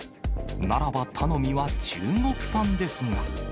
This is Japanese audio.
ならば、頼みは中国産ですが。